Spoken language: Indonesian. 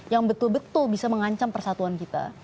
yang betul betul bisa mengancam persatuan kita